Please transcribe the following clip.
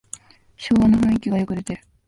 昭和の雰囲気がよく出てる